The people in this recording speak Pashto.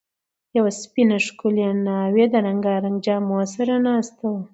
یوه سپینه، ښکلې ناوې د رنګارنګ جامو سره ناسته وه.